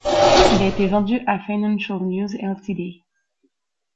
Il a été vendu à Financial News Ltd.